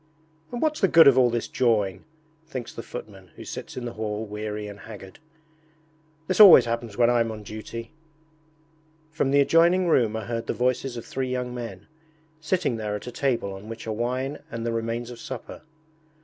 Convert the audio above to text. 'And what's the good of all this jawing?' thinks the footman who sits in the hall weary and haggard. 'This always happens when I'm on duty.' From the adjoining room are heard the voices of three young men, sitting there at a table on which are wine and the remains of supper.